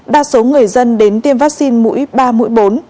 đa số người dân đến tiêm vaccine mũi ba mũi bốn